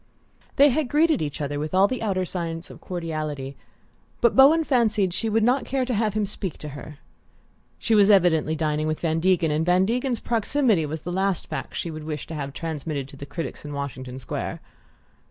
They had greeted each other with all the outer signs of cordiality, but Bowen fancied she would not care to have him speak to her. She was evidently dining with Van Degen, and Van Degen's proximity was the last fact she would wish to have transmitted to the critics in Washington Square.